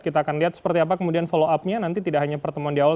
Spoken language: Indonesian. kita akan lihat seperti apa kemudian follow up nya nanti tidak hanya pertemuan di awal